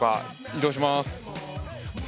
移動します。